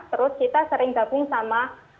terus kita sering gabung sama